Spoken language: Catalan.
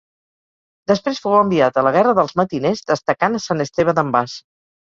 Després fou enviat a la guerra dels matiners, destacant a Sant Esteve d'en Bas.